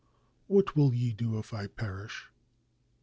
What will ye do if I perish?"